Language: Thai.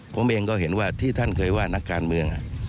ผมเองก็เห็นว่าที่ท่านเคยว่านักการเมือง